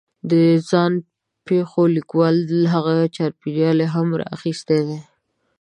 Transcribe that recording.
د ځان پېښو لیکوال هغه چاپېریال یې هم را اخستی دی